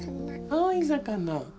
青い魚。